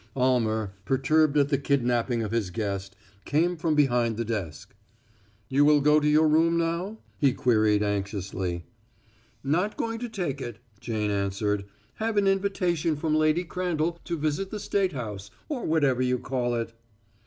Almer, perturbed at the kidnaping of his guest, came from behind the desk. "You will go to your room now?" he queried anxiously. "Not going to take it," Jane answered. "Have an invitation from Lady Crandall to visit the State House, or whatever you call it."